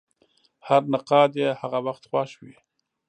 هر نقاد یې هغه وخت خوښ وي.